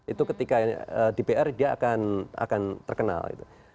itu ketika dpr dia akan terkenal gitu